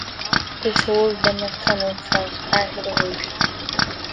The tolled Limerick Tunnel forms part of the route.